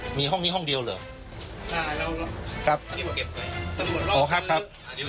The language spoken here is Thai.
อ่ะมีห้องนี้ห้องเดียวเหรอครับอ๋อครับครับ